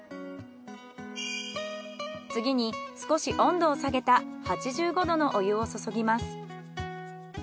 次に少し温度を下げた８５℃のお湯を注ぎます。